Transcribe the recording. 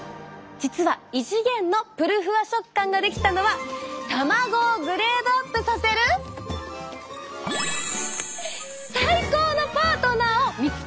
実は異次元のぷるふわ食感ができたのは卵をグレードアップさせる最高のパートナーを見つけたから！